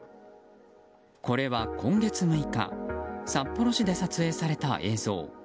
これが今月６日札幌市で撮影された映像。